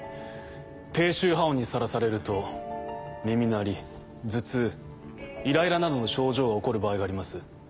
低周波音にさらされると耳鳴り頭痛イライラなどの症状が起こる場合があります。